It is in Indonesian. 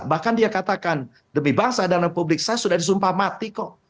bahkan dia katakan demi bangsa dan republik saya sudah disumpah mati kok